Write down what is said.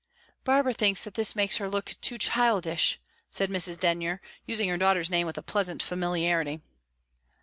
"Barbara thinks that this makes her look too childish," said Mrs. Denyer, using her daughter's name with a pleasant familiarity.